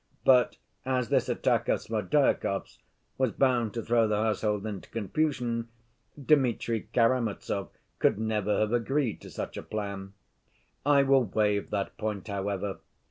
But as this attack of Smerdyakov's was bound to throw the household into confusion, Dmitri Karamazov could never have agreed to such a plan. I will waive that point however.